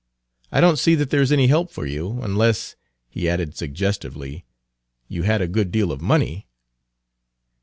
I don't see that there's any help for you; unless," he added suggestively, "you had a good deal of money."